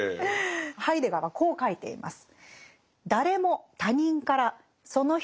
ハイデガーはこう書いています。